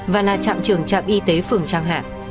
và là trạm trường trạm y tế phường trang hạ